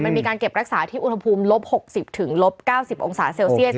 มันมีการเก็บรักษาที่อุณหภูมิลบ๖๐ลบ๙๐องศาเซลเซียส